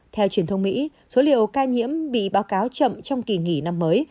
theo truyền thông mỹ số liều ca nhiễm bị báo cáo chậm trong kỳ nghỉ năm mới